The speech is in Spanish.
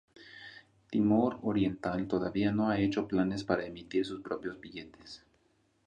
Timor Oriental todavía no ha hecho planes para emitir sus propios billetes.